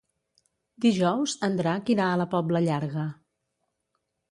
Dijous en Drac irà a la Pobla Llarga.